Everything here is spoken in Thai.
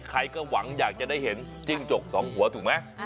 ใครก็หวังอยากจะได้เห็นจิ้งจกสองหัวถูกไหม